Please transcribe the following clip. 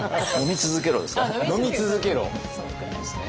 「飲み続けろ！」ですか？